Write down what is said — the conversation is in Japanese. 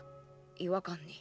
違和感に。